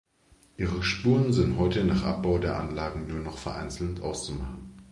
Ihre Spuren sind heute, nach Abbau der Anlagen, nur noch vereinzelt auszumachen.